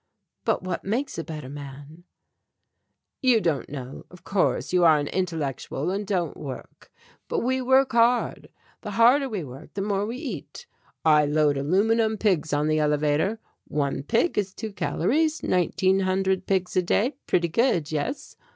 "But what makes a better man?" "You don't know; of course, you are an intellectual and don't work. But we work hard. The harder we work the more we eat. I load aluminum pigs on the elevator. One pig is two calories, nineteen hundred pigs a day, pretty good, yes?